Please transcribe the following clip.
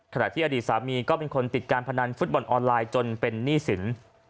ขณะที่อดีตสามีก็เป็นคนติดการพนันฟุตบอลออนไลน์จนเป็นหนี้สิน